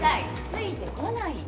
ついてこないで。